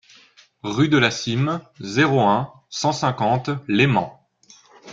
Rue de la Cîme, zéro un, cent cinquante Leyment